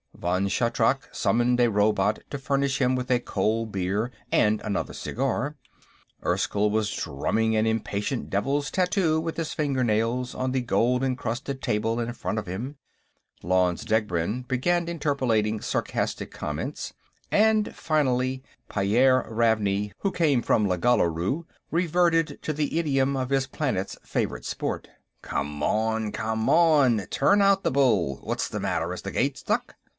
Vann Shatrak summoned a robot to furnish him with a cold beer and another cigar. Erskyll was drumming an impatient devil's tattoo with his fingernails on the gold encrusted table in front of him. Lanze Degbrend began interpolating sarcastic comments. And finally, Pyairr Ravney, who came from Lugaluru, reverted to the idiom of his planet's favorite sport: "Come on, come on; turn out the bull! What's the matter, is the gate stuck?"